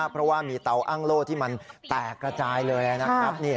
เพราะว่ามีเตาอ้างโล่ที่มันแตกกระจายเลยนะครับ